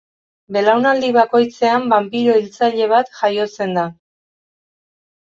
Belaunaldi bakoitzean banpiro-hiltzaile bat jaiotzen da.